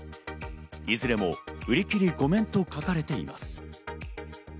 いずれも売切御免と書かれています。